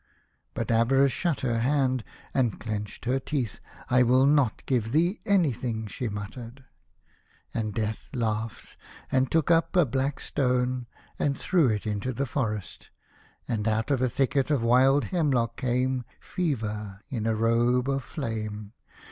But Avarice shut her hand, and clenched her teeth. " I will not give thee anything," she muttered. And Death laughed, and took up a black stone, and threw it into the forest, and out of a thicket of wild hemlock came Fever in a robe of flame.